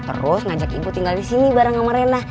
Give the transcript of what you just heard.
terus ngajak ibu tinggal disini bareng ama rena